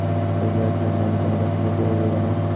বোসো ঠাকুরপো, আমি কোনো কথা ঢাকিয়া বলিব না।